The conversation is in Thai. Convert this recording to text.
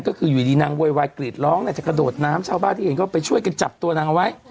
ก็คืออยู่ดีนางโวยวายกรีดร้องจะกระโดดน้ำชาวบ้านที่เห็นก็ไปช่วยกันจับตัวนางเอาไว้